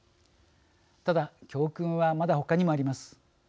ただ、教訓はまだ他にもあります。